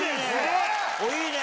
いいね！